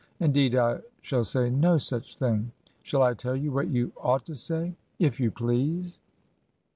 'Indeed I shall say no such thing.' 'Shall I tell you what you ought to say?' ' If you please.'